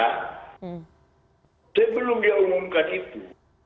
tapi belum dia umumkan itu